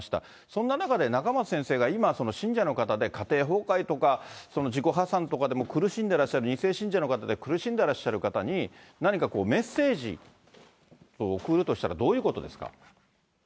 そんな中で仲正先生が今、信者の方で、家庭崩壊とか、自己破産とかで苦しんでらっしゃる２世信者の方で苦しんでらっしゃる方に、何かこう、メッセージを送るとしたら、どういうことですか。